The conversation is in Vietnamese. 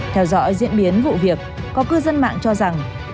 theo dõi diễn biến vụ việc có cư dân mạng cho rằng